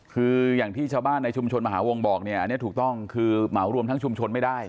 คืออย่างที่ชาวบ้านในชุมชนมหาวงบอกเนี่ยอันนี้ถูกต้องคือเหมารวมทั้งชุมชนไม่ได้